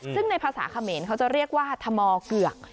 ซึ่งในภาษาเขมรเขาจะเรียกว่าธมอเกือก